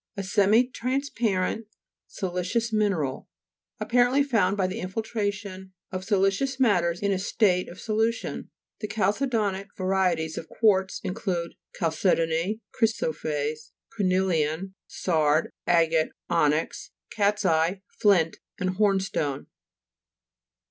A semi transparent siliceous mineral, apparently found by the infiltration of siliceous matters in a state of solution. The chalcedo'nic varieties of quartz include Chalce dony, Crysoprase, Cornelian, Sard, Agate, Onyx, Cat' s eye, Flint, and Hornstone.